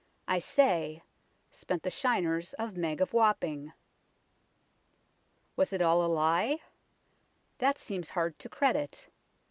I say ; Spent the shiners of Meg of Wapping." Was it all a lie ? That seems hard to credit.